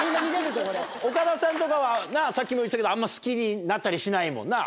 岡田さんとかはさっきも言ってたけどあんま好きになったりしないもんな？